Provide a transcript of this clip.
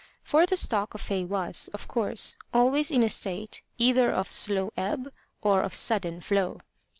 For the stock of hay was, of course, always in a state either of slow ebb or of sudden flow.